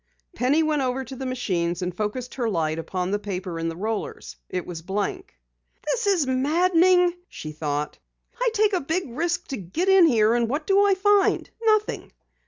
Penny went over to the machines and focused her light upon the paper in the rollers. It was blank. "This is maddening!" she thought. "I take a big risk to get in here and what do I find nothing!"